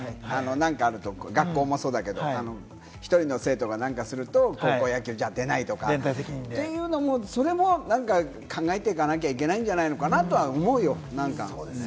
何かあると学校もそうだけど、１人の生徒が何かすると高校野球に出ないとかというのも、それも考えていかなきゃいけないんじゃないのかなって思うよ。